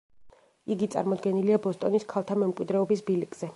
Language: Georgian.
იგი წარმოდგენილია ბოსტონის ქალთა მემკვიდრეობის ბილიკზე.